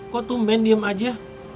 kok tuh men diam aja